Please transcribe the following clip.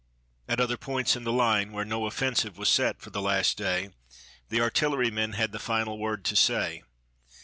At other points in the line where no offensive was set for the last day, the artillerymen had the final word to say.